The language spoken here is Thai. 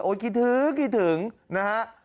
คิดถึงคิดถึงนะฮะ